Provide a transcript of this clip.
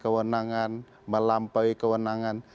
kewenangan melampaui kewenangan